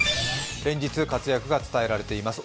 連日活躍が伝えられています